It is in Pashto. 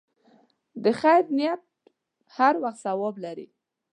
د خیر نیت هر وخت ثواب لري.